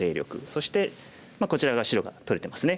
そしてこちらが白が取れてますね